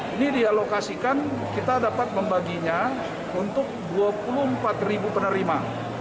ini dialokasikan kita dapat membaginya untuk dua puluh empat ribu penerima